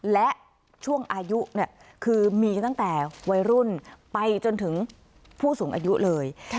และช่วงอายุคือมีตั้งแต่วัยรุ่นไปจนถึงผู้สูงอายุเลย